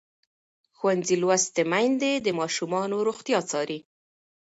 ښوونځې لوستې میندې د ماشومانو روغتیا څاري.